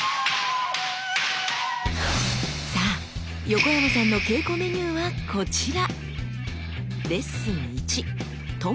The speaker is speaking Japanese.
さあ横山さんの稽古メニューはこちら。